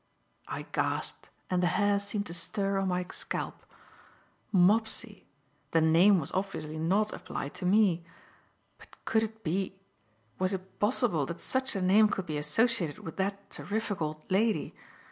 I gasped, and the hair seemed to stir on my scalp. Mopsy! The name was obviously not applied to me. But could it be was it possible that such a name could be associated with that terrific old lady?